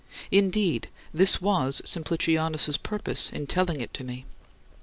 Indeed, this was Simplicianus' purpose in telling it to me.